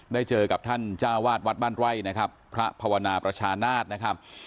เจอกับท่านจ้าวาดวัดบ้านไร่นะครับพระภาวนาประชานาศนะครับ